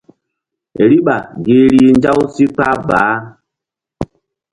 Riɓa gi rih nzaw si kpah baah.